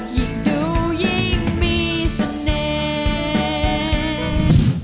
ยิ่งดูยิ่งมีเสน่ห์